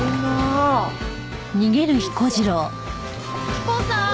彦さん。